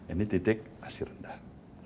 ini titik masih rendah